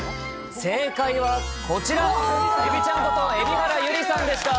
正解は、こちら、エビちゃんこと、蛯原友里さんでした。